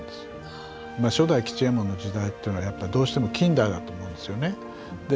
初代吉右衛門の時代っていうのはやっぱりどうしても近代だと思うんですよね。